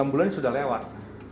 enam bulan sudah lewat